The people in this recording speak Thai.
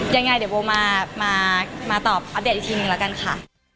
ช่ายง่ายเดี๋ยวว่ามาตอบอัพเดทอีทีหนึ่งแล้วกันค่ะ